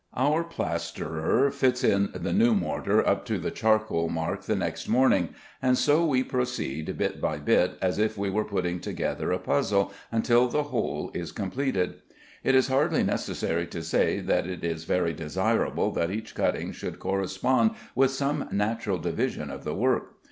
Our plasterer fits in the new mortar up to the charcoal mark the next morning, and so we proceed bit by bit as if we were putting together a puzzle, until the whole is completed. It is hardly necessary to say that it is very desirable that each cutting should correspond with some natural division of the work.